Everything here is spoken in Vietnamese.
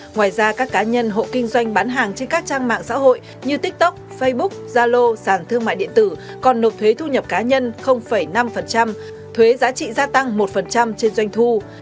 ngoài ra các cá nhân hộ kinh doanh bán hàng trên các trang mạng xã hội như tiktok facebook zalo sàng thương mại điện tử còn nộp thuế thu nhập cá nhân năm thuế giá trị gia tăng một trên doanh thu